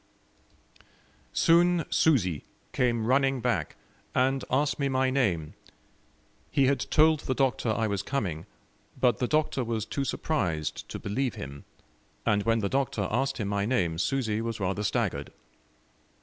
Soon Susi came running back, and asked me my name; he had told the Doctor I was coming, but the Doctor was too surprised to believe him, and when the Doctor asked him my name, Susi was rather staggered.